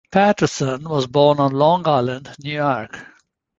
Patterson was born on Long Island, New York.